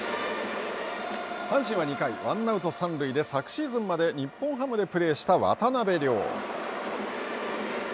阪神は２回ワンアウト、三塁で昨シーズンまで日本ハムでプレーした渡邉諒。